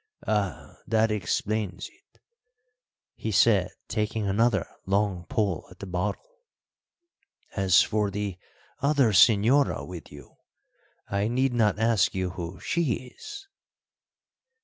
"Ah, that explains it," he said, taking another long pull at the bottle. "As for the other señora with you, I need not ask you who she is."